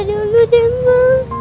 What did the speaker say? udah dulu deh ma